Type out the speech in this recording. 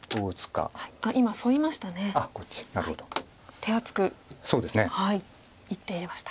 手厚く一手入れました。